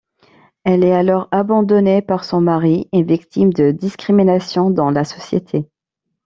Elle est alors abandonnée par son mari et victime de discrimination dans la société.